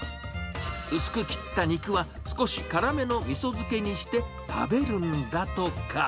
薄く切った肉は、少し辛めのみそ漬けにして食べるんだとか。